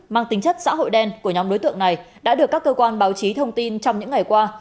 mang tính chất xã hội đen của nhóm đối tượng này đã được các cơ quan báo chí thông tin trong những ngày qua